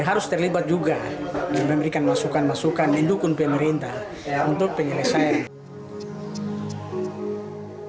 harus terlibat juga dan memberikan masukan masukan mendukung pemerintah untuk penyelesaian